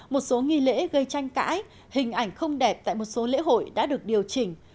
một số nghi lễ gây tranh cãi hình ảnh không đẹp tại một số lễ hội đã được điều chỉnh